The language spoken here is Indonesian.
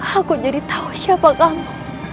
aku jadi tahu siapa kamu